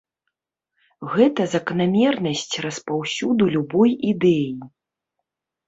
Гэта заканамернасць распаўсюду любой ідэі.